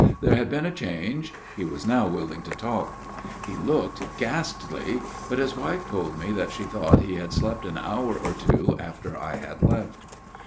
There had been a change ;\ he was now willing to talk. He looked ghastly, \j but his wife told me that she thought he hadj slept an hour or two, after I had left.